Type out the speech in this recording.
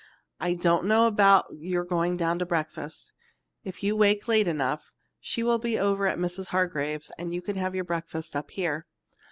I don't know about your going down to breakfast. If you wake late enough, she will be over at Mrs. Hargrave's and you could have your breakfast up here.